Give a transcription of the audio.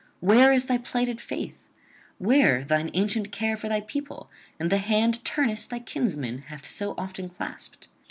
Where is thy plighted faith? Where thine ancient care for thy people, and the hand Turnus thy kinsman hath so often clasped?